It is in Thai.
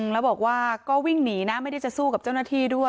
แล้วบอกว่าก็วิ่งหนีนะไม่ได้จะสู้กับเจ้าหน้าที่ด้วย